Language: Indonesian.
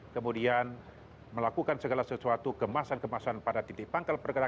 kemudian melakukan segala sesuatu kemasan kemasan pada titik pangkal perkara